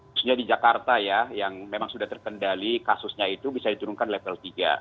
khususnya di jakarta ya yang memang sudah terkendali kasusnya itu bisa diturunkan level tiga